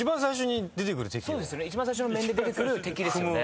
一番最初の面で出てくる敵ですよね。